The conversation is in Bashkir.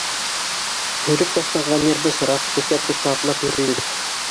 Һөрөп ташланған ер бысраҡ, көскә-көскә атлап йөрөйбөҙ.